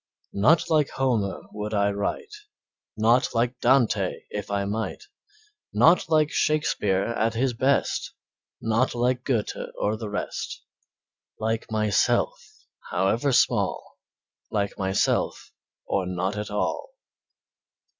Not like Homer would I write, Not like Dante if I might, Not like Shakespeare at his best, Not like Goethe or the rest, Like myself, however small, Like myself, or not at all.